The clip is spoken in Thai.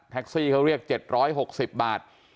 แท็กซี่เขาเรียกเจ็ดร้อยหกสิบบาท